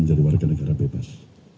menjadi warga negara bebas